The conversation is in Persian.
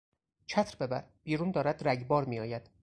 چتر ببر، بیرون دارد رگبار میآید.